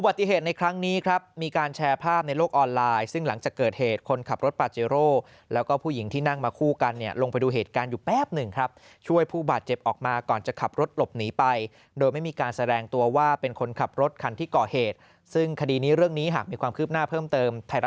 ติเหตุในครั้งนี้ครับมีการแชร์ภาพในโลกออนไลน์ซึ่งหลังจากเกิดเหตุคนขับรถปาเจโร่แล้วก็ผู้หญิงที่นั่งมาคู่กันเนี่ยลงไปดูเหตุการณ์อยู่แป๊บหนึ่งครับช่วยผู้บาดเจ็บออกมาก่อนจะขับรถหลบหนีไปโดยไม่มีการแสดงตัวว่าเป็นคนขับรถคันที่ก่อเหตุซึ่งคดีนี้เรื่องนี้หากมีความคืบหน้าเพิ่มเติมไทยรัฐ